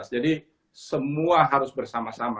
jadi semua harus bersama sama